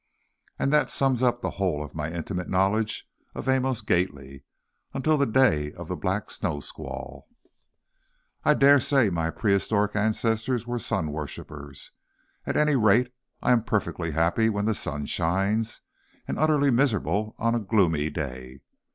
And that sums up the whole of my intimate knowledge of Amos Gately until the day of the black snow squall! I daresay my prehistoric ancestors were sun worshipers. At any rate, I am perfectly happy when the sun shines, and utterly miserable on a gloomy day.